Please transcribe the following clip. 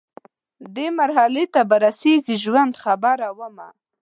دې مرحلې ته به رسیږي ژوند، خبره ومه